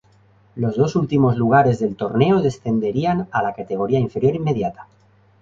Los dos últimos lugares del torneo descenderían a la categoría inferior inmediata.